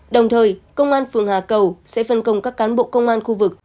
đồng thời công an phường hà cầu sẽ phân công các cán bộ công an khu vực